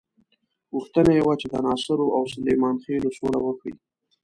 غوښتنه یې وه چې د ناصرو او سلیمان خېلو سوله وکړي.